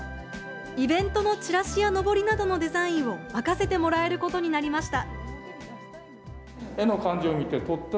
イベントのチラシやのぼりなどのデザインを任せてもらえることになりました。